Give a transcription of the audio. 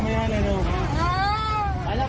ไม่ต้อง